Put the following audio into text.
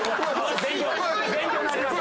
勉強になります。